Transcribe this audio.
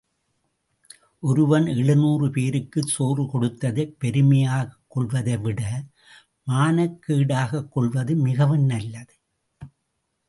ஒருவன் எழுநூறு பேருக்குச் சோறு கொடுத்ததைப் பெருமையாகக் கொள்வதைவிட மானக்கேடாகக் கொள்வது மிகவும் நல்லது.